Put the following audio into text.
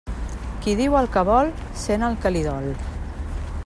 Qui diu el que vol, sent el que li dol.